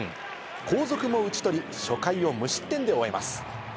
後続も打ち取り、初回を無失点で終えます。